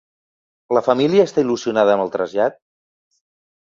La família està il·lusionada amb el trasllat?